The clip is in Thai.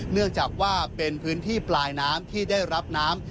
เนื่องจากว่าเป็นพื้นที่ปลายน้ำที่ได้รับน้ำ